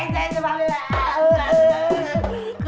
brengsek ini mba bebik